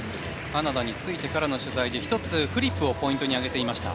カナダについてからの取材で、１つフリップをポイントに挙げていました。